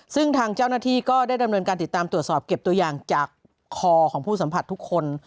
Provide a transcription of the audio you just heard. ซึ่งทางเจ้าหน้าที่ก็ได้ดำเนินการติดตามตรวจสอบเก็บตัวอย่างจากคอของผู้สัมผัสทุกคน